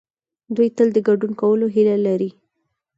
دوی تل د ګډون کولو هيله لري.